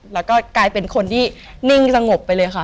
แล้วก็กลายเป็นคนที่นิ่งสงบไปเลยค่ะ